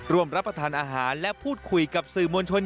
รับประทานอาหารและพูดคุยกับสื่อมวลชน